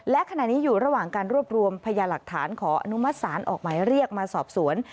และขณะนี้อยู่ระหว่างการรวบรวมพยาหลักฐานขออนุมัติศาลออกหมายเรียกมาสอบสวน